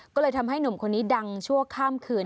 ก็เลยทำให้หนุ่มคนนี้ดังชั่วข้ามคืน